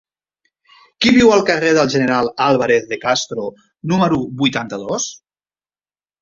Qui viu al carrer del General Álvarez de Castro número vuitanta-dos?